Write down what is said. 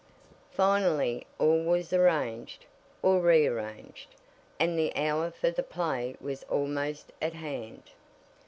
Finally all was arranged, or rearranged, and the hour for the play was almost at hand.